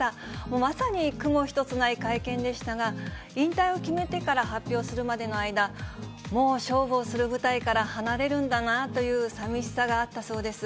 まさに雲一つない会見でしたが、引退を決めてから発表するまでの間、もう勝負をする舞台から離れるんだなというさみしさがあったそうです。